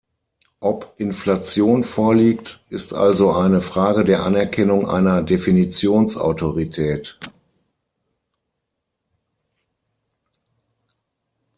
Ob Inflation vorliegt, ist also eine Frage der Anerkennung einer Definitions-Autorität.